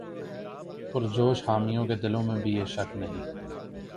پرجوش حامیوں کے دلوں میں بھی یہ شک نہیں